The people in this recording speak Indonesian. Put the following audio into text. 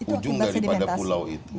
itu akibat sedimentasi